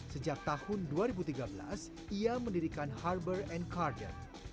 sejak tahun dua ribu tiga belas ia mendirikan harbor and carder